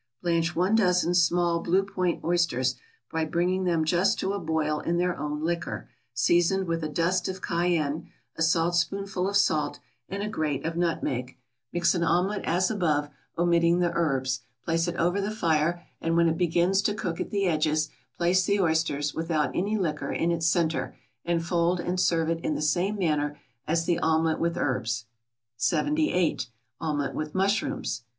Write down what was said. = Blanch one dozen small Blue Point oysters, by bringing them just to a boil in their own liquor, seasoned with a dust of cayenne, a saltspoonful of salt, and a grate of nutmeg; mix an omelette as above, omitting the herbs, place it over the fire, and when it begins to cook at the edges, place the oysters, without any liquor, in its centre, and fold and serve it in the same manner as the omelette with herbs. 78. =Omelette with Mushrooms.